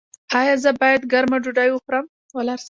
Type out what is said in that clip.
ایا زه باید ګرمه ډوډۍ وخورم؟